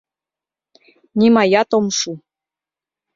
Нимаят ом шу.